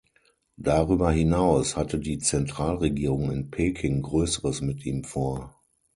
Darüber hinaus hatte die Zentralregierung in Peking Größeres mit ihm vor.